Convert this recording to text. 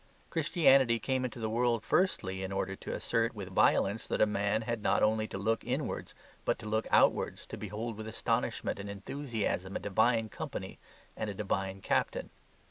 Christianity came into the world firstly in order to assert with violence that a man had not only to look inwards, but to look outwards, to behold with astonishment and enthusiasm a divine company and a divine captain.